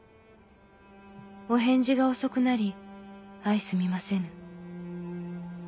お返事が遅くなり相すみませぬ。